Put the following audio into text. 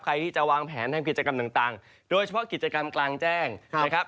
ใครที่จะวางแผนทำกิจกรรมต่างโดยเฉพาะกิจกรรมกลางแจ้งนะครับ